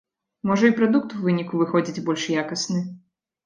Можа і прадукт у выніку выходзіць больш якасны?